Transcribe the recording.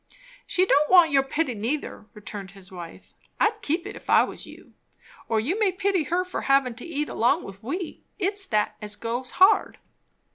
"She don't want your pity, neither," returned his wife. "I'd keep it, if I was you. Or you may pity her for havin' to eat along with we; it's that as goes hard."